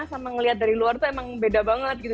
sama melihat dari luar itu memang beda banget